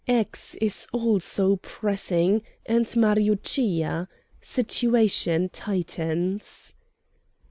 X. is also pressing, and Mariuccia. Situation tightens.